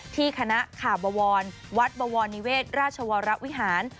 ที่คณะคาบวรวัดบวรนิเวศราชวรวิหาร